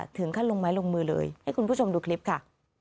ถึงขั้นลงไม้ลงมือเลยให้คุณผู้ชมดูคลิปค่ะ